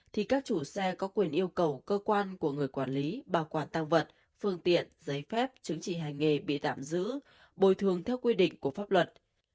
thì các chủ xe có quyền yêu cầu cơ quan của người quản lý bảo quản tăng vật phương tiện giấy phép chứng chỉ hành nghề bị tạm giữ bồi thường theo quy định của pháp luật